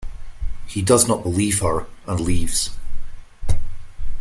He does not believe her and leaves.